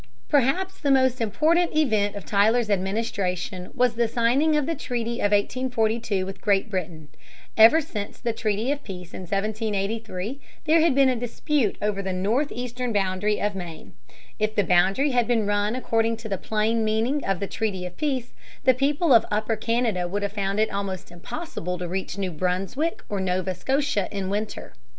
Perhaps the most important event of Tyler's administration was the signing of the Treaty of 1842 with Great Britain. Ever since the Treaty of Peace of 1783, there had been a dispute over the northeastern boundary of Maine. If the boundary had been run according to the plain meaning of the Treaty of Peace, the people of Upper Canada would have found it almost impossible to reach New Brunswick or Nova Scotia in winter.